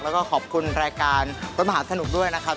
แล้วก็ขอบคุณรายการรถมหาสนุกด้วยนะครับ